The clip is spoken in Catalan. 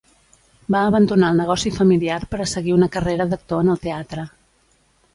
Va abandonar el negoci familiar per a seguir una carrera d'actor en el teatre.